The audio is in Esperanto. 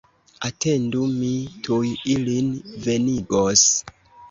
Atendu, mi tuj ilin venigos!